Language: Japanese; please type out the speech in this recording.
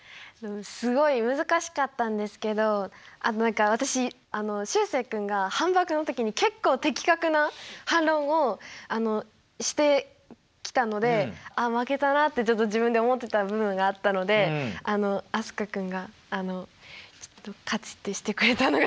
すごい難しかったんですけどあと何か私しゅうせい君が反ばくの時に結構的確な反論をしてきたので「あ負けたな」って自分で思ってた部分があったので飛鳥君が勝ちってしてくれたのがちょっとうれしかったです。